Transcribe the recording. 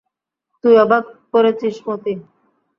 তুই অবাক করেছিস মতি।